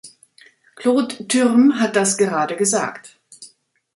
Claude Turmes hat das gerade gesagt.